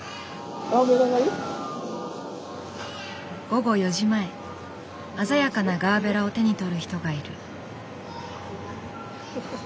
午後４時前鮮やかなガーベラを手に取る人がいる。